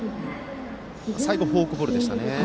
最後フォークボールでしたね。